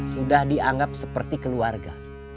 sudah dianggap seperti keluarga